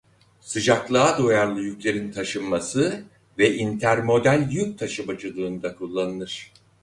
Sıcaklığa duyarlı yüklerin taşınması ve intermodal yük taşımacılığında kullanılır.